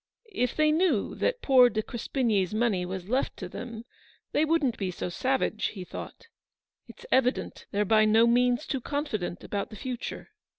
" If they knew that poor De Crespigny's money was left to. them, they wouldn't be so savage/' he thought. " It's evident they're by no means too confident about the future."